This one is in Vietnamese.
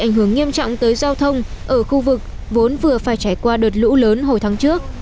ảnh hưởng nghiêm trọng tới giao thông ở khu vực vốn vừa phải trải qua đợt lũ lớn hồi tháng trước